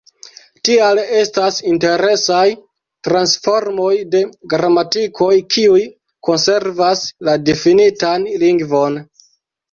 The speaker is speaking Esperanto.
Tial estas interesaj transformoj de gramatikoj, kiuj konservas la difinitan lingvon.